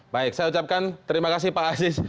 saya ucapkan terima kasih pak asis